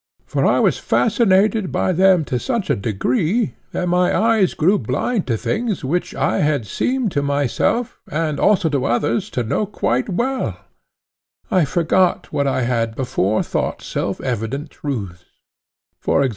For I was fascinated by them to such a degree that my eyes grew blind to things which I had seemed to myself, and also to others, to know quite well; I forgot what I had before thought self evident truths; e.g.